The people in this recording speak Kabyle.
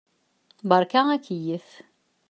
Beṛka akeyyef.